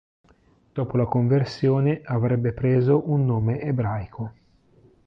Dopo la conversione avrebbe preso un nome ebraico.